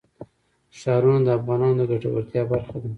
ښارونه د افغانانو د ګټورتیا برخه ده.